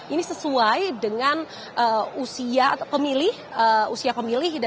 ini sesuai dengan usia pemilih dan juga kepentingan